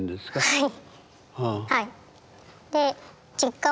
はい。